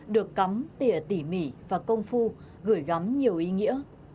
được cắm tỉa tỉ mỉ và công phu gửi gắm nhiều ý nghĩa